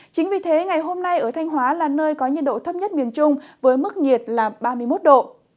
chính vì thế ngày hôm nay ở thanh hóa là nơi có nhiệt độ thấp nhất miền trung với mức nhiệt là ba mươi một độ